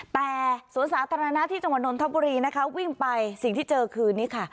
แต่สวนสาธารณะที่จังหวัดนนทบุรีนะคะวิ่งไปสิ่งที่เจอคืนนี้ค่ะ